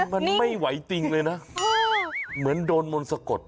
มันไม่ไหวจริงเลยนะเหมือนโดนมนต์สะกด